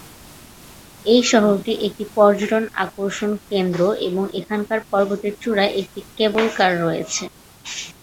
এই শহরটি একটি পর্যটন আকর্ষণ কেন্দ্র, এবং এখানকার পর্বতের চূড়ায় একটি ক্যাবল কার রয়েছে।